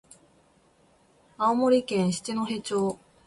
青森県七戸町